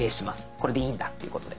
「これでいいんだ」っていうことで。